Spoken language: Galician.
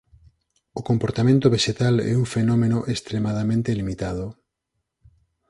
O comportamento vexetal é un fenómeno extremadamente limitado.